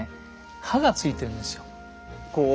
刃がついてるんですよ。